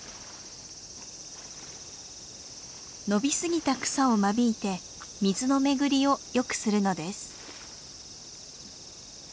伸びすぎた草を間引いて水の巡りをよくするのです。